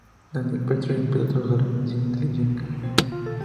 Daniel Petrie empezó a trabajar para el cine y la televisión canadiense.